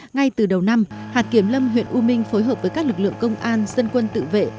ngay từ đầu năm hạt kiểm lâm huyện u minh phối hợp với các lực lượng công an dân quân tự vệ